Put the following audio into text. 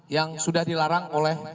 yang sudah dilarang oleh